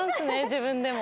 自分でも。